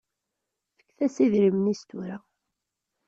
Fket-as idrimen-is tura.